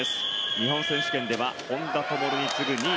日本選手権では本多灯に次ぐ２位。